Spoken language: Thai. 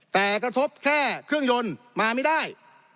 แต่กระทบแค่เครื่องยนต์มาไม่ได้